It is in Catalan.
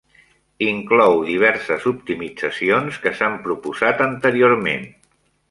Inclou diverses optimitzacions que s'han proposat anteriorment.